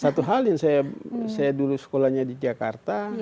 satu hal yang saya dulu sekolahnya di jakarta